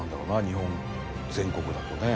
日本全国だとね。